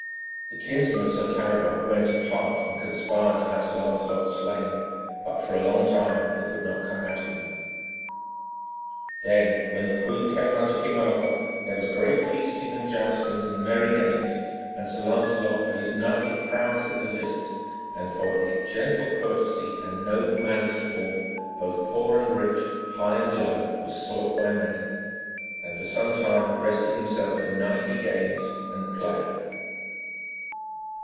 The kinsmen of Sir Caradoc went apart and conspired to have Sir Lancelot slain, but for a long time they could not come at him. Then, when the queen came unto King Arthur, there was great feasting and joustings and merry games, and Sir Lancelot, for his knightly prowess in the lists, and for his gentle courtesy and noble manners to all, both poor and rich, high and low, was sought by many, and for some time rested himself in knightly games and play.